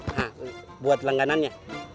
nah buat langganannya